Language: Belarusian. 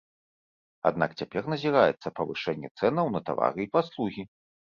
Аднак цяпер назіраецца павышэнне цэнаў на тавары і паслугі.